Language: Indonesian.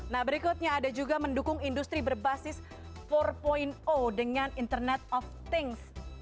nah berikutnya ada juga mendukung industri berbasis empat dengan internet of things